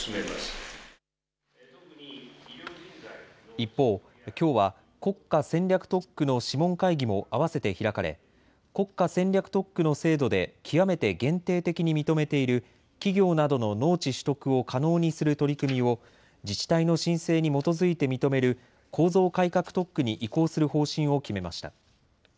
一方、きょうは国家戦略特区の諮問会議も合わせて開かれ国家戦略特区の制度で極めて限定的に認めている企業などの農地取得を可能にする取り組みを自治体の申請に基づいて認める構造改革特区に移行する方針を決めました。